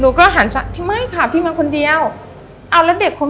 ลูกก็หันสั้นไม่ค่ะพี่มาคนเดียวเอาแล้วเด็กคน